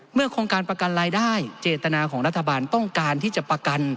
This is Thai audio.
โครงการประกันรายได้เจตนาของรัฐบาลต้องการที่จะประกัน